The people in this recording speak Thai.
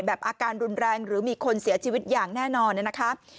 อาการรุนแรงหรือมีคนเสียชีวิตอย่างแน่นอนนะครับ